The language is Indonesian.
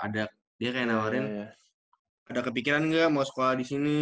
dia kayak nawarin ada kepikiran gak mau sekolah disini